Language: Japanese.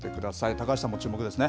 高橋さんも注目ですね。